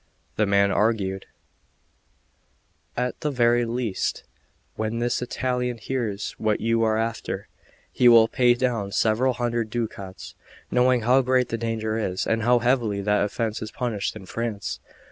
The man argued: "At the very least, when this Italian hears what you are after, he will pay down several hundred ducats, knowing how great the danger is, and how heavily that offence is punished in France."